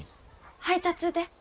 配達で。